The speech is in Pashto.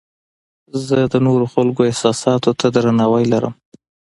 زه د نورو خلکو احساساتو ته درناوی لرم.